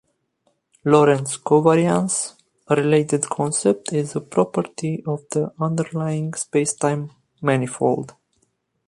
Lorentz covariance, a related concept, is a property of the underlying spacetime manifold.